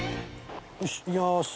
よしいきます。